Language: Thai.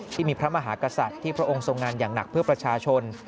ที่มีพระมหากษัตริย์ที่พระองค์ทรงงานอย่างหนักเพื่อประชาชน